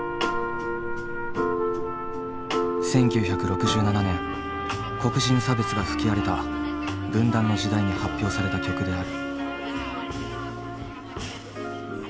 １９６７年黒人差別が吹き荒れた分断の時代に発表された曲である。